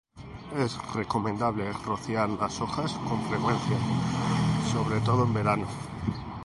Es recomendable rociar las hojas con frecuencia, sobre todo en verano.